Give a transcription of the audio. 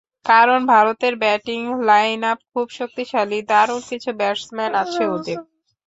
কারণ ভারতের batting lineup খুব শক্তিশালী, দারুণ কিছু ব্যাটসম্যান আছে ওদের।